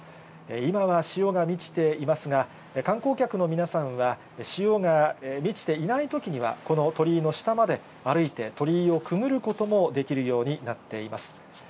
今は潮が満ちていますが、観光客の皆さんは、潮が満ちていないときには、この鳥居の下まで歩いて、鳥居をくぐることもできるようになっています。